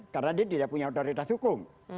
karena dia tidak punya otoritas hukum